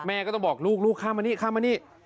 แม่ก็ต้องบอกลูกลูกข้ามมานี่ข้ามมานี่